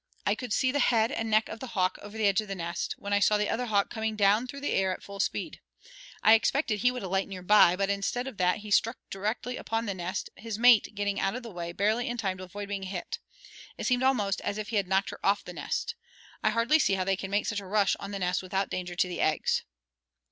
I could see the head and neck of the hawk over the edge of the nest, when I saw the other hawk coming down through the air at full speed. I expected he would alight near by, but instead of that he struck directly upon the nest, his mate getting out of the way barely in time to avoid being hit; it seemed almost as if he had knocked her off the nest. I hardly see how they can make such a rush on the nest without danger to the eggs."